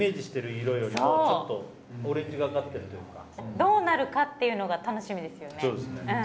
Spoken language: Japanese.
どうなるかっていうのが楽しみですよね。